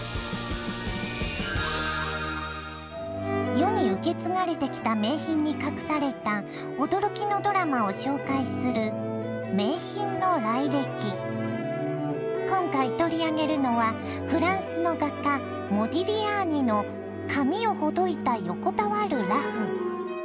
世に受け継がれてきた名品に隠された驚きのドラマを紹介する今回取り上げるのはフランスの画家モディリアーニの「髪をほどいた横たわる裸婦」。